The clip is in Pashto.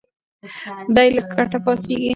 دی له کټه پاڅېږي.